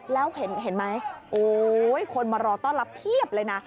แล้วเห็นไหมโอ้ยคนมารอต้อนรับเพียบเลยนะ